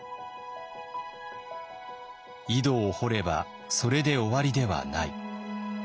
井戸を掘ればそれで終わりではない。